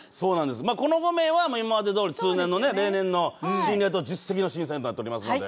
この５名は、今までどおり、通年の例年の、信頼と実績の審査員になっておりますので。